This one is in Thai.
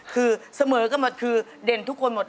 คือเสมอกันมาคือเด่นทุกคนหมด